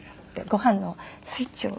ご飯のスイッチを。